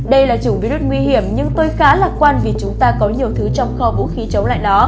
đây là chủng virus nguy hiểm nhưng tôi khá lạc quan vì chúng ta có nhiều thứ trong kho vũ khí chống lại nó